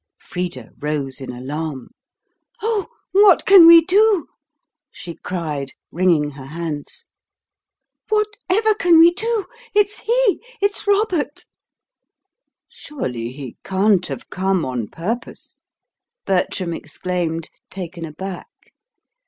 Frida rose in alarm. "Oh, what can we do?" she cried, wringing her hands. "What ever can we do? It's he! It's Robert!" "Surely he can't have come on purpose!" Bertram exclaimed, taken aback.